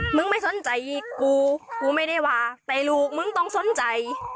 มึงไม่สนใจกูกูไม่ได้ว่าแต่ลูกมึงต้องสนใจ